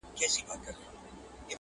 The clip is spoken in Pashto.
غازي دغه یې وخت دی د غزا په کرنتین کي٫